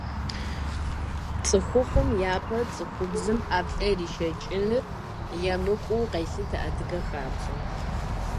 ЦӀыхухъум япэ цӀыхубзым ӀэплӀэ иришэкӀыныр емыкӀуу къелъытэ адыгэ хабзэм.